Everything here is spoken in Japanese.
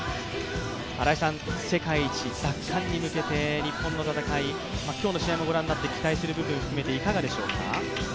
世界一奪還に向けて日本の戦い、今日の試合ご覧になって期待する部分、いかがですか。